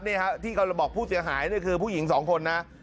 นี่ครับที่กำลังบอกผู้เสียหายนี่คือผู้หญิง๒คนนะ